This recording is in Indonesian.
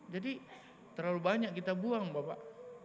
jadi terlalu banyak kita buang bapak